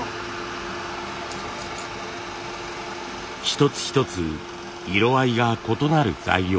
一つ一つ色合いが異なる材料。